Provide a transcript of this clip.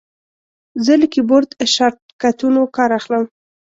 زه له کیبورډ شارټکټونو کار اخلم.